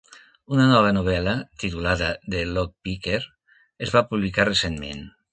Una nova novel·la, titulada "The Lockpicker", es va publicar recentment.